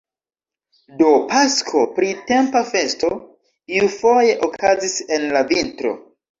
Do Pasko, printempa festo, iufoje okazis en la vintro!